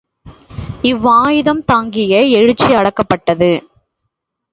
இவ்வாயுதம் தாங்கிய எழுச்சி அடக்கப்பட்டது.